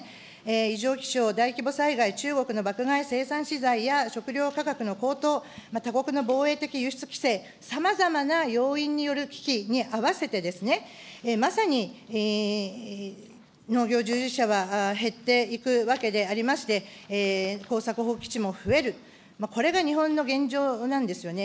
異常気象、大規模災害、中国の爆買い、生産資材や食料価格の高騰、他国の防衛的輸出規制、さまざまな要因による危機にあわせてですね、まさに農業従事者は減っていくわけでありまして、耕作放棄地も増える、これが日本の現状なんですよね。